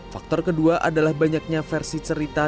faktor kedua adalah banyaknya versi cerita